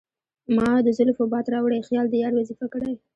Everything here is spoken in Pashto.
مــــــا د زلفو باد راوړی خیــــــال د یار وظیفه کـــــړی